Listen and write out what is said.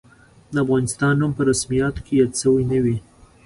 د افغانستان نوم په رسمیاتو کې یاد شوی نه وي.